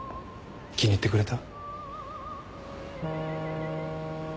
気に入ってくれた？